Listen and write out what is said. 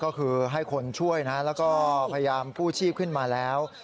ก็คือให้คนช่วยนะแล้วก็พยายามกู้ชีพขึ้นมาแล้ว